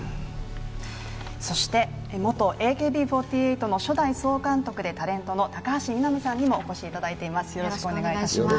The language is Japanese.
元ＡＫＢ４８の初代総監督でタレントの高橋みなみさんにもお越しいただいています。